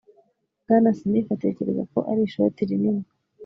Bwana Smith atekereza ko ari ishoti rinini